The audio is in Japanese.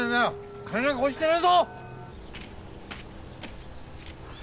金なんか落ちてねえぞ！